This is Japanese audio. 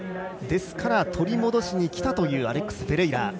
ですから取り戻しに来たというアレックス・フェレイラ。